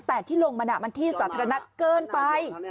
แต่ที่ลงมันที่สาธารณะเกินไป